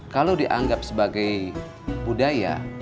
kalau dianggap sebagai budaya